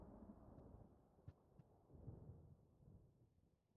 Baadhi ya waasi hao walirudi Jamuhuri ya Demokrasia ya Kongo kwa hiari